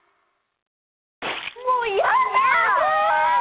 もう嫌だ！